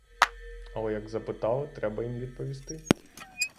Але як запитали, треба їм відповісти.